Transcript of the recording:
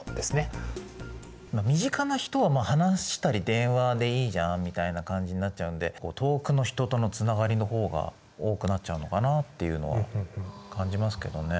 身近な人は話したり電話でいいじゃんみたいな感じになっちゃうんで遠くの人とのつながりの方が多くなっちゃうのかなっていうのは感じますけどね。